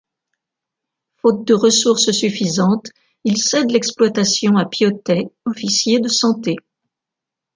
Faute de ressources suffisantes, ils cèdent l’exploitation à Piotet, officier de santé.